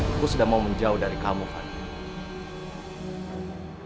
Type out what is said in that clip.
aku sudah mau menjauh dari kamu fani